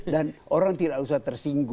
dan orang tidak usah tersinggung